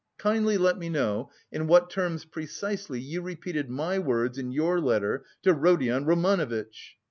Kindly let me know in what terms precisely you repeated my words in your letter to Rodion Romanovitch."